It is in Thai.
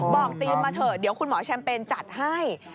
ทีมมาเถอะเดี๋ยวคุณหมอแชมเปญจัดให้